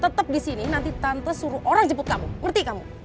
tetap di sini nanti tante suruh orang jemput kamu ngerti kamu